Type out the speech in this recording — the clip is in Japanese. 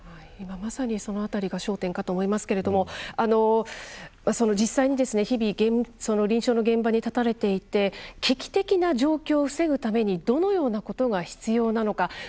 今、まさにその辺りが焦点だと思いますけども実際に日々臨床の現場に立たれていて危機的な状況を防ぐためにどのようなことが必要なのか。